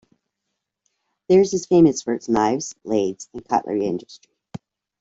Thiers is famous for its knives, blades and cutlery industry.